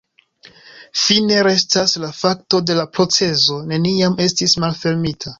Fine restas la fakto ke la procezo neniam estis malfermita.